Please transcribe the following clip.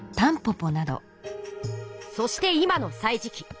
そして今の「歳時記」。